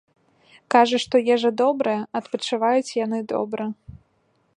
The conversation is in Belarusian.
Кажа, што ежа добрая, адпачываюць яны добра.